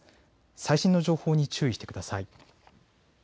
最新の情報に注意してください。